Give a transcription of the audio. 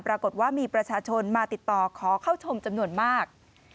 ปรากฏว่ามีประชาชนมาติดต่อขอเข้าชมจำนวนมาก